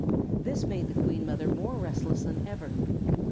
This made the Queen Mother more restless than ever.